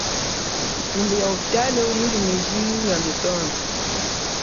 Ithumbo ya lophitalo, yili miji ya mitondo.